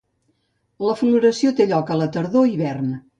La floració té lloc a la tardor-hivern.